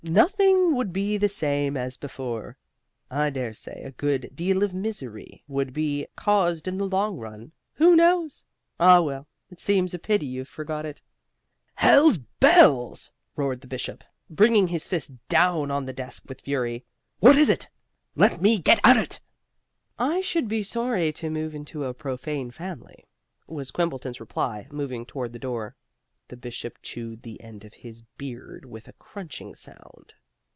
Nothing would be the same as before. I daresay a good deal of misery would be caused in the long run, who knows? Ah well, it seems a pity you forgot it " "Hell's bells!" roared the Bishop, bringing his fist down on the desk with fury "What is it? Let me get at it!" "I should be sorry to marry into a profane family," was Quimbleton's reply, moving toward the door. The Bishop chewed the end of his beard with a crunching sound.